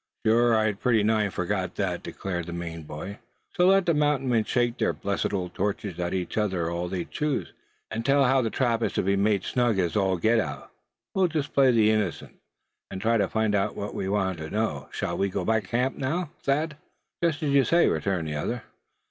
"Sure, I'd pretty nigh forgotten that," declared the Maine boy, more cheerfully. "So let the mountain men shake their blessed old torches at each other all they choose, and tell how the trap is to be made snug as all get out; we'll just play the innocent, and try to find out what we want to know. Shall we go back to camp now, Thad?" "Just as you say," returned the other.